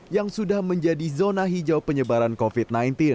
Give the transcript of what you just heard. yang sudah menjadi zona hijau penyebaran covid sembilan belas